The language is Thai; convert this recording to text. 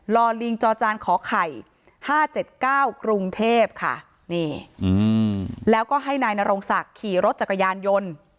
อลิงจอจานขอไข่๕๗๙กรุงเทพค่ะนี่แล้วก็ให้นายนรงศักดิ์ขี่รถจักรยานยนต์